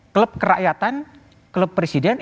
klub kerakyatan klub presiden